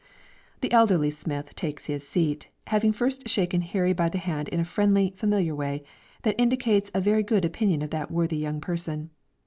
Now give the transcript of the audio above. The elderly Smith takes his seat, having first shaken Harry by the hand in a friendly, familiar way, that indicates a very good opinion of that worthy young person.